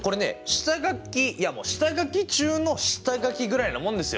下書きいや下書き中の下書きぐらいなもんですよ！